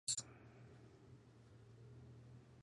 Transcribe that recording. La piel varia de pardo oscuro a gris.